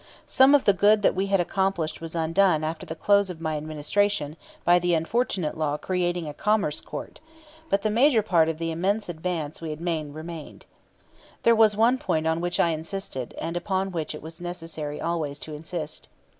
Some of the good that we had accomplished was undone after the close of my Administration by the unfortunate law creating a Commerce Court; but the major part of the immense advance we had made remained. There was one point on which I insisted, and upon which it is necessary always to insist.